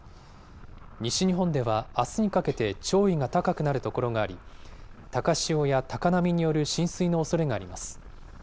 西日本ではあすにかけて潮位が高くなる所があり、高潮や高波による浸水のおそれがあります。